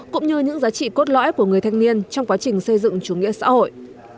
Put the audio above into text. cũng như những giá trị cốt lõi của người thanh niên trong quá trình xây dựng chủ nghĩa xã hội